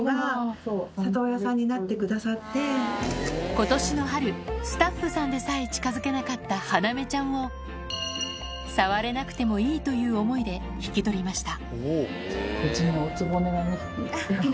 今年の春スタッフさんでさえ近づけなかった花芽ちゃんをいいという思いで引き取りました